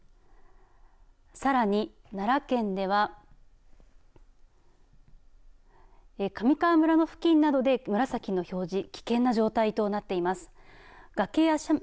さらに奈良県では川上村の付近などで紫の表示危険な状態となっています。